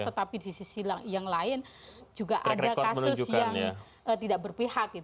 tetapi di sisi yang lain juga ada kasus yang tidak berpihak